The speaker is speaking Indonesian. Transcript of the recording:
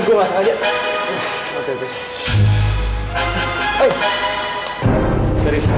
sorry gue gak sengaja